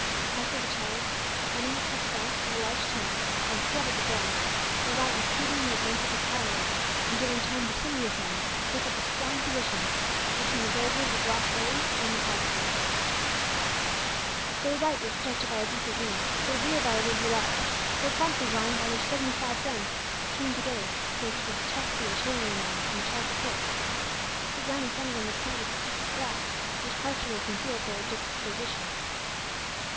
As they retired, the enemy cut the bank of a large tank and flooded the ground, thereby impeding the advance of the cavalry, and giving time to Scindia's men to take up a strong position between the villages of Laswaree and Mohaulpore. [Illustration: Plan of the Battle of Laswaree.] Their right was protected by a deep ravine; their rear by a rivulet; their front was lined with their seventy five guns, chained together so as to protect the artillerymen from a charge of horse. The ground in front of them was covered with deep grass, which partially concealed their disposition.